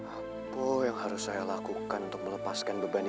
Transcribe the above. apa yang harus saya lakukan untuk melepaskan beban ini